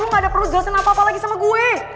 lo gak ada perlu jelasin apa apa lagi sama gue